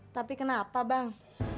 tapi kenapa bang